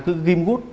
cứ ghim gút